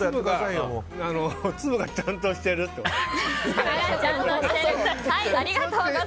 粒がちゃんとしてると。